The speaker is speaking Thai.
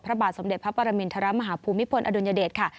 พระบาทสมเด็จพระปรมินทรมาฮภูมิพลอดุลยเดชค่ะ